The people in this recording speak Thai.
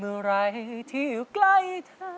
เมื่อไหร่ที่อยู่ใกล้เธอ